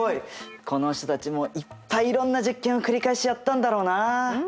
この人たちもいっぱいいろんな実験を繰り返しやったんだろうな。